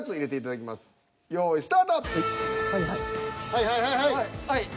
はいはいはいはい。